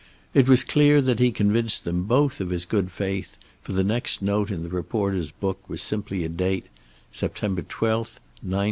It was clear that he convinced them both of his good faith, for the next note in the reporter's book was simply a date, September 12, 1911.